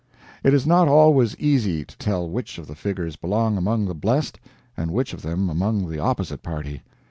It is not always easy to tell which of the figures belong among the blest and which of them among the opposite party.